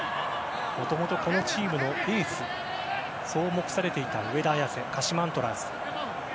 もともとこのチームのエースそう目されていた上田綺世鹿島アントラーズ。